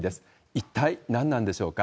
一体なんなんでしょうか。